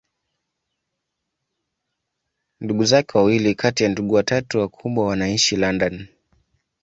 Ndugu zake wawili kati ya ndugu watatu wakubwa wanaishi London.